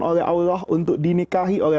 oleh allah untuk dinikahi oleh